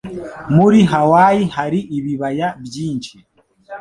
Muri Hawaii hari ibibaya byinshi.